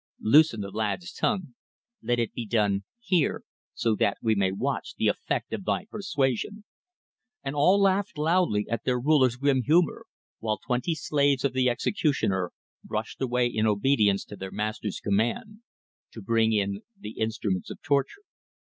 Loosen the lad's tongue. Let it be done here, so that we may watch the effect of thy persuasion." And all laughed loudly at their ruler's grim humour, while twenty slaves of the executioner rushed away in obedience to their master's command to bring in the instruments of torture.